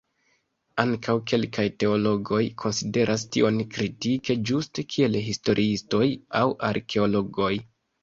Ankaŭ kelkaj teologoj konsideras tion kritike, ĝuste kiel historiistoj aŭ arkeologoj.